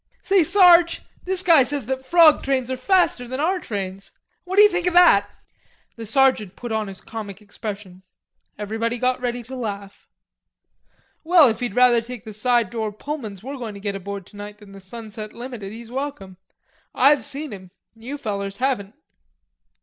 "Say, Sarge, this guy says that frog trains are faster than our trains. What d'ye think o' that?" The sergeant put on his comic expression. Everybody got ready to laugh. "Well, if he'd rather take the side door Pullmans we're going to get aboard tonight than the 'Sunset Limited,' he's welcome. I've seen 'em. You fellers haven't."